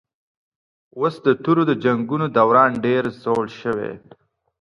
اوس د تورو د جنګونو دوران ډېر زوړ شوی